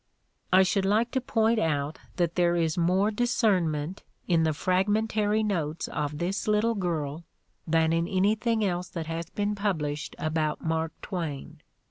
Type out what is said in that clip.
I should like to point out that there is more discern ment in the fragmentary notes of this little girl than in anything else that has been published about Mark Twain.